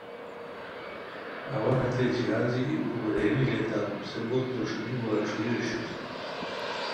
اوا ہتے جہازی ای پُھوک رینی لیتام ہسے بو تھروݰنی وا ݯھوئے اوشوئے